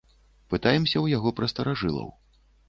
Пытаемся ў яго пра старажылаў.